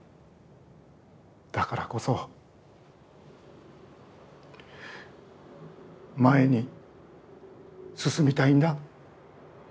だからこそ前に進みたいんだ。